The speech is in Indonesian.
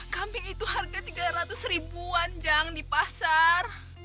kambing itu harga tiga ratus ribuan jang di pasar